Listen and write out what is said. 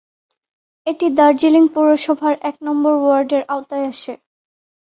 এটি দার্জিলিং পৌরসভার এক নম্বর ওয়ার্ডের আওতায় আসে।